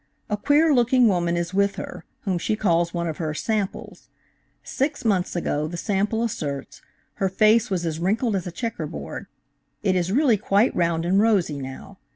A queer looking woman is with her, whom she calls one of her 'samples.' Six months ago, the 'sample' asserts, her face was as wrinkled as a checker board. It is really quite round and rosy now.